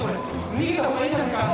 逃げた方がいいんじゃねえか？